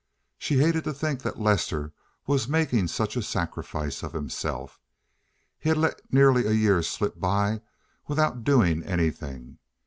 She hated to think that Lester was making such a sacrifice of himself. He had let nearly a year slip by without doing anything.